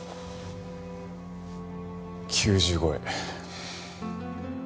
９０超え。